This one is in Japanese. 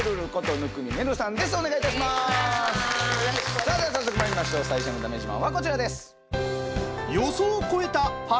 さあでは早速まいりましょう最初のだめ自慢はこちらです。